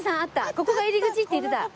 ここが入り口って言ってた。